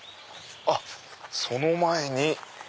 あっその前に。